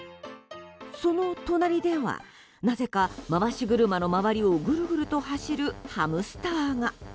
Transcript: その隣ではなぜか回し車の周りをぐるぐると走るハムスターが。